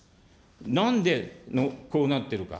なんでこうなってるか。